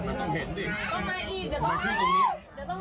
ต้องมาอีกเดี๋ยวต้องมาอีก